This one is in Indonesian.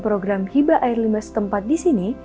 program hiba air limbah setempat di sini